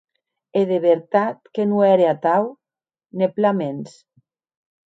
E de vertat que non ère atau, ne plan mens.